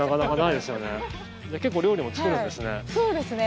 じゃあ結構料理も作るんですね。